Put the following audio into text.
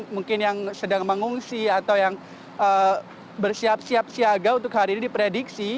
mungkin yang sedang mengungsi atau yang bersiap siap siaga untuk hari ini diprediksi